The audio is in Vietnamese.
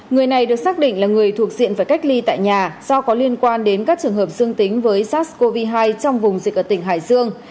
người này được xác định là người thuộc diện phải cách ly tại nhà do có liên quan đến các trường hợp dương tính với sars cov hai trong vùng dịch ở tỉnh hải dương